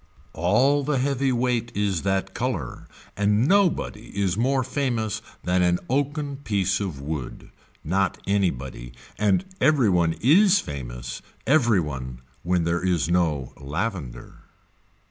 All the heavy weight is that color and nobody is more famous than an oaken piece of wood, not any body and every one is famous, every one, when there is no lavender.